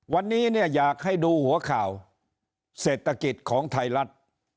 วันนี้เนี่ยอยากให้ดูหัวข่าวเศรษฐกิจของไทยรัฐ